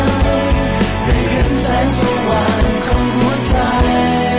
เห็นแสงสว่างของหัวใจ